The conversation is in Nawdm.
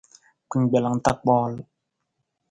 Kpinggbelang ta kpool.